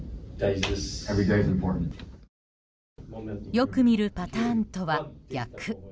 よく見るパターンとは逆。